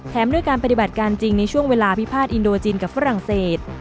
ด้วยการปฏิบัติการจริงในช่วงเวลาพิพาทอินโดจีนกับฝรั่งเศส